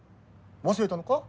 忘れたのか？